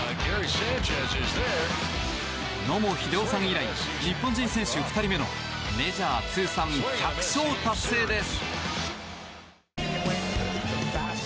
野茂英雄さん以来日本選手２人目のメジャー通算１００勝達成です。